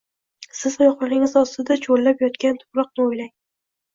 Siz, oyoqlaringiz ostida cho‘llab yotgan tuproqni o‘ylang!